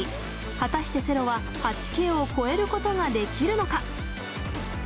果たしてセロは８Ｋを超えることができるのか？